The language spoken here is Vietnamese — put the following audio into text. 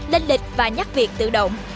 lên lịch và nhắc việc tự động